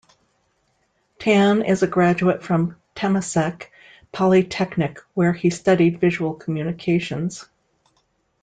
Tan is a graduate from Temasek Polytechnic, where he studied Visual Communications.